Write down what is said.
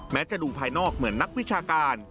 จะดูภายนอกเหมือนนักวิชาการ